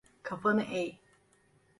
Kafanı eğ.